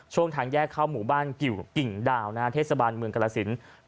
ช่วงทางแยกเข้าหมู่บ้านกิ่งดาวนะฮะเทศบาลเมืองกราศิลป์